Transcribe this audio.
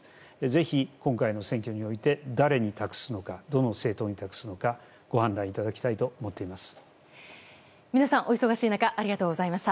ぜひ今回の選挙において誰に託すのかどの政党に託すのかご判断いただきたいと思っています。